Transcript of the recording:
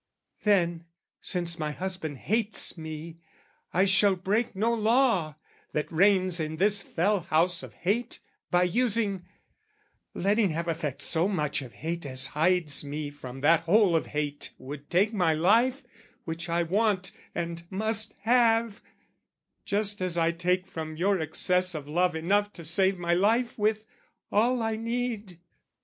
"Then, since my husband hates me, I shall break "No law that reigns in this fell house of hate, "By using letting have effect so much "Of hate as hides me from that whole of hate "Would take my life which I want and must have "Just as I take from your excess of love "Enough to save my life with, all I need.